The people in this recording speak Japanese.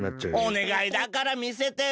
おねがいだからみせてよ。